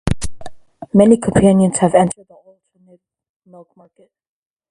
Many companies have entered the alternative milk market.